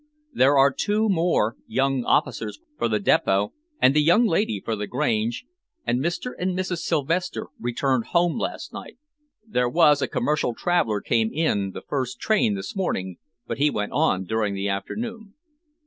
There are two more young officers for the Depot, and the young lady for the Grange, and Mr. and Mrs. Silvester returned home last night. There was a commercial traveller came in the first train this morning, but he went on during the afternoon."